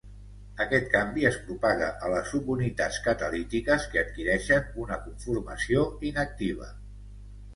Aquest canvi es propaga a les subunitats catalítiques que adquireixen una conformació inactiva.